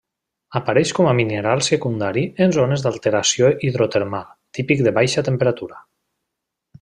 Apareix com a mineral secundari en zones d'alteració hidrotermal, típic de baixa temperatura.